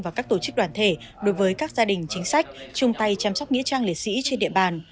và các tổ chức đoàn thể đối với các gia đình chính sách chung tay chăm sóc nghĩa trang liệt sĩ trên địa bàn